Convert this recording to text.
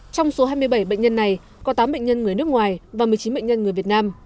trong số hai mươi bảy bệnh nhân này có tám bệnh nhân người nước ngoài và một mươi chín bệnh nhân người việt nam